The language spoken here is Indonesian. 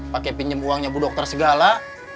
pakai pinjam uangnya bu dokter segala